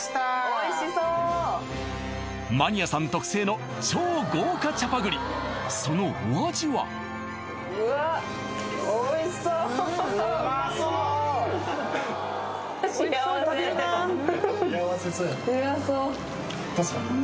おいしそうマニアさん特製の超豪華チャパグリそのお味はうわっおいしそううまそううまそうどうですか？